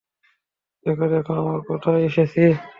দেখো, দেখো, আমরা কোথায় এসেছি।